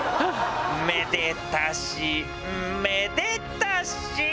めでたしめでたし。